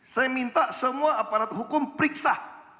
saya minta semua aparat hukum periksa